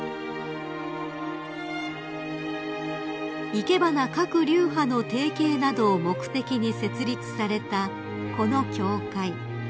［生け花各流派の提携などを目的に設立されたこの協会］